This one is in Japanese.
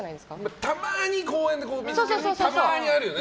たまに公園で見つける時たまにあるよね。